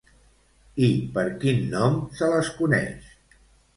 I per quin nom se les coneix?